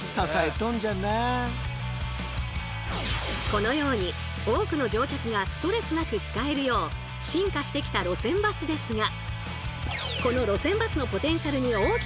このように多くの乗客がストレスなく使えるよう進化してきた路線バスですが。